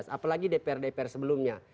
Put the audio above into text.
apalagi dpr dpr sebelumnya